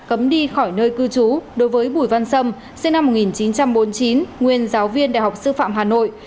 cấm đi khỏi nơi cư trú đối với bùi văn sâm sinh năm một nghìn chín trăm bốn mươi chín nguyên giáo viên đại học sư phạm hà nội